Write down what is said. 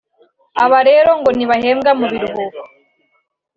Aba rero bo ngo ntibahembwa mu biruhuko